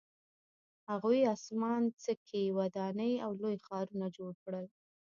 هغوی اسمان څکې ودانۍ او لوی ښارونه جوړ کړل